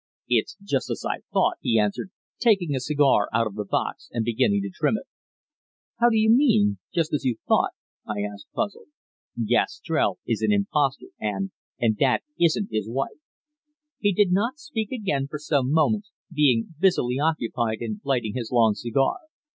"It is just as I thought," he answered, taking a cigar out of the box and beginning to trim it. "How do you mean 'just as you thought'?" I asked, puzzled. "Gastrell is an impostor, and and that isn't his wife." He did not speak again for some moments, being busily occupied in lighting his long cigar.